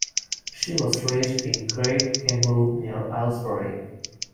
She was raised in Great Kimble near Aylesbury.